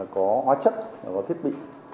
có hóa chất có thiết bị